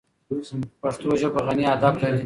پښتو ژبه غني ادب لري.